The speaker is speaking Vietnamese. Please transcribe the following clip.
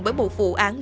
với một vụ án